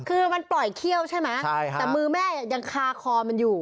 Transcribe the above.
คือมันปล่อยเขี้ยวใช่ไหมแต่มือแม่ยังคาคอมันอยู่